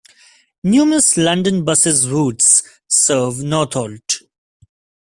Numerous London Buses routes serve Northolt.